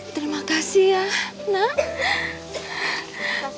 terima kasih ya nak